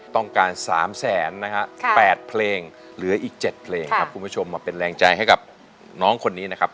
ต้องการ๓แสนนะฮะ๘เพลงเหลืออีก๗เพลงครับคุณผู้ชมมาเป็นแรงใจให้กับน้องคนนี้นะครับ